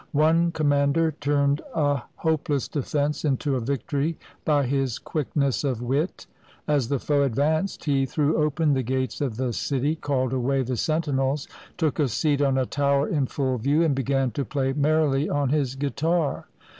One commander turned a hopeless defense into a victory by his quickness of wit. As the foe advanced, he threw open the gates of the city, called away the sentinels, took a seat on a tower in full view, and began to play merrily on his guitar.